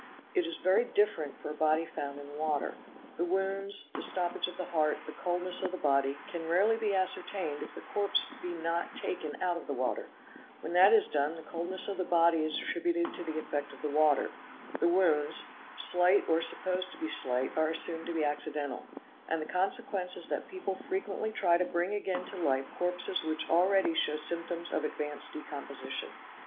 It is very different for a body found in the water; the wounds, the stoppage of the heart, the coldness of the body, can rarely be ascertained if the corpse be not taken out of the water ; when that is done the coldness of the body is attributed to the effect of the water; the wounds, slight or supposed to be slight, are assumed to be accidental,—and the consequence is that people frequently try to bring again to life corpses which already show symptoms of ad . vanced decomposition.